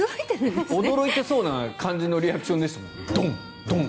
驚いてそうな感じのリアクションでしたもん。